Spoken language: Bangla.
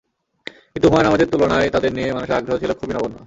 কিন্তু হুমায়ূন আহমেদের তুলনায় তাঁদের নিয়ে মানুষের আগ্রহ ছিল খুবই নগণ্য।